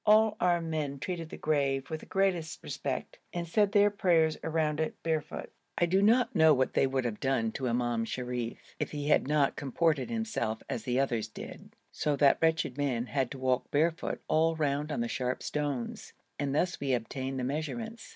All our men treated the grave with the greatest respect, and said their prayers around it barefoot. I do not know what they would have done to Imam Sharif if he had not comported himself as the others did, so that wretched man had to walk barefoot all round on the sharp stones, and thus we obtained the measurements.